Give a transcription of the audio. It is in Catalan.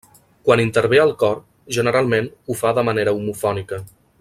Quan intervé el cor, generalment ho fa de manera homofònica.